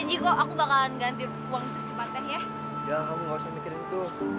enggak kamu gak harus mikirin itu